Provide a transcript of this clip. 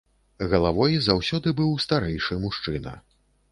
Главой заўсёды быў старэйшы мужчына.